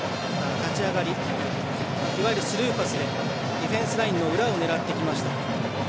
立ち上がりいわゆるスルーパスでディフェンスラインの裏を狙ってきました。